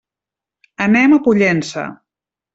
Anem a Pollença.